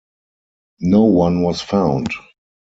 No one was found.